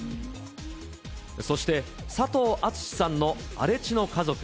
そして佐藤厚志さんの荒地の家族。